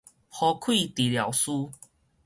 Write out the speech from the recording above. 呼氣治療師